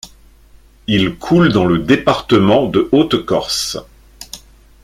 Il coule dans le département de Haute-Corse.